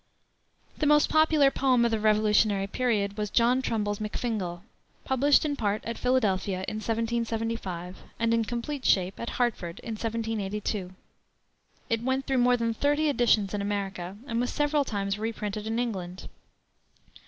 The most popular poem of the Revolutionary period was John Trumbull's McFingal, published in part at Philadelphia in 1775, and in complete shape at Hartford in 1782. It went through more than thirty editions in America, and was several times reprinted in England.